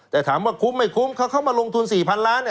แต่ถามว่าคุ้มไม่คุ้มเขาเข้ามาลงทุน๔๐๐๐ล้าน